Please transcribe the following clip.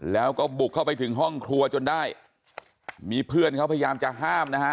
แล้วก็บุกเข้าไปถึงห้องครัวจนได้มีเพื่อนเขาพยายามจะห้ามนะฮะ